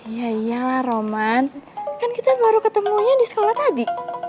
iya iyalah roman kan kita baru ketemunya di sekolah tadi